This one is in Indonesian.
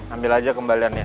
ambil aja kembaliannya